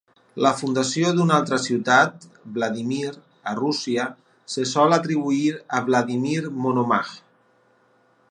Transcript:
La fundació d'una altra ciutat, Vladimir, a Rússia, se sol atribuir a Vladimir Monomakh.